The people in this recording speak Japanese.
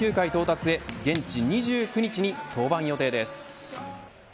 大谷は規定投球回到達へ現地２９日に登板予定です。